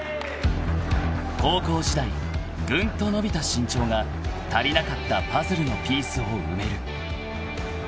［高校時代ぐんと伸びた身長が足りなかったパズルのピースを埋める］